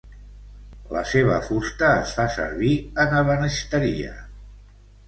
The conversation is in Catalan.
La seva fusta es fa servir en ebenisteria.